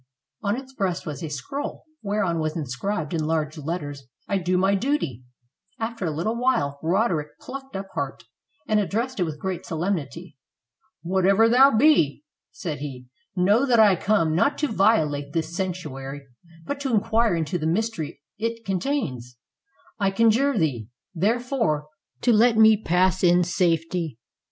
On its breast was a scroll, whereon was inscribed, in large letters, "I do my duty." After a little while Roderick plucked up heart, and addressed it with great solemnity. "Whatever thou be," said he, "know that I come not to violate this sanctuary, but to inquire into the mystery it contains; I conjure thee, therefore, to let me pass in safety."